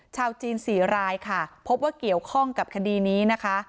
ชาวจีน๔รายค่ะพบว่าเกี่ยวข้องกับคดีนี้นะคะ